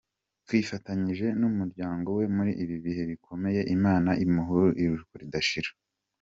Twifatanyije n’umuryango we muri ibi bihe bikomeye, Imana imuhe iruhuko ridashira.